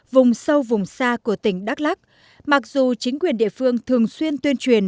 vùng sâu vùng xa của tỉnh đắk lắc mặc dù chính quyền địa phương thường xuyên tuyên truyền